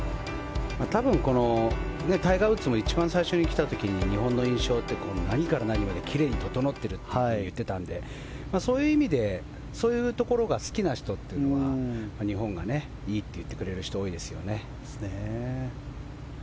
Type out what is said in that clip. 多分、タイガー・ウッズも一番最初に来た時に日本の印象って、何から何まで奇麗に整っていると言っていたのでそういう意味でそういうところが好きな人というのは日本がいいって言ってくれる人が多いですよね。